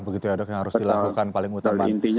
pertama intinya seperti itu